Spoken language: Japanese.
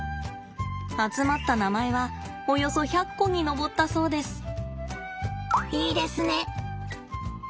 集まった名前はおよそ１００個に上ったそうです。